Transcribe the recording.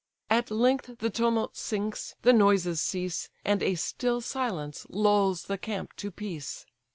At length the tumult sinks, the noises cease, And a still silence lulls the camp to peace.